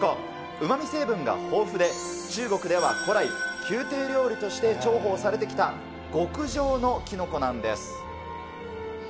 うまみ成分が豊富で、中国では古来、宮廷料理として重宝されてきた極上のキノコなんです。